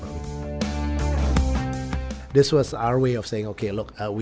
ini adalah cara kami untuk mengatakan